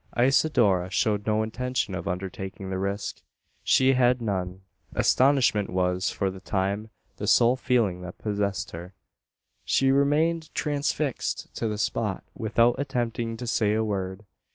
Isidora showed no intention of undertaking the risk. She had none. Astonishment was, for the time, the sole feeling that possessed her. She remained transfixed to the spot, without attempting to say a word.